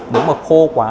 nếu mà khô quá